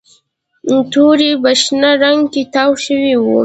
توري په شنه رنګ کې تاو شوي وو